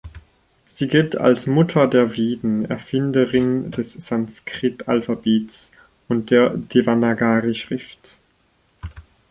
Sie gilt als „Mutter der Veden“, Erfinderin des Sanskrit-Alphabets und der Devanagari-Schrift.